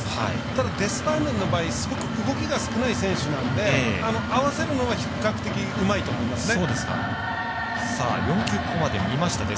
ただ、デスパイネの場合すごく動きが少ない選手なので合わせるのは比較的うまいと思いますね。